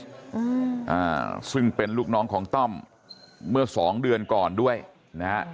อืมอ่าซึ่งเป็นลูกน้องของต้อมเมื่อสองเดือนก่อนด้วยนะฮะ